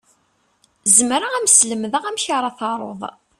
Zemreɣ ad m-slemdeɣ amek ara taruḍ.